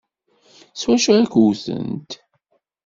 S wacu ay k-wtent?